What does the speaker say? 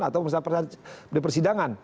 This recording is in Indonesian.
atau misalnya di persidangan